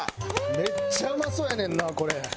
めっちゃうまそうやねんなこれ。